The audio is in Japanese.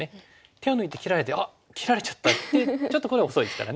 手を抜いて切られて「あっ切られちゃった」ってちょっとこれは遅いですからね。